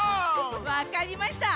わかりました。